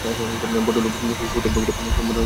ভদ্রলোক কোটের পকেটে হাত দিলেন।